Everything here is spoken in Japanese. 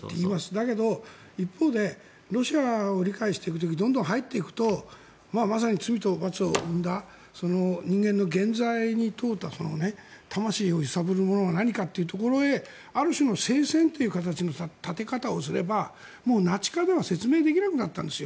だけど、一方でロシアを理解していってどんどん入っていくとまさに罪と罰を生んだ人間の原罪に問うた魂を揺さぶるものは何かということである種の聖戦という形の立て方をすればナチ化では説明できなくなったんです。